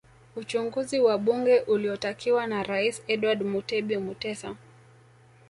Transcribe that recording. Uchunguzi wa bunge uliotakiwa na Rais Edward Mutebi Mutesa